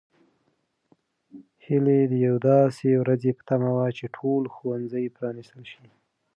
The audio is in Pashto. هیلې د یوې داسې ورځې په تمه وه چې ټول ښوونځي پرانیستل شي.